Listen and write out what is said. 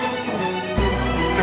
sampai jumpa lagi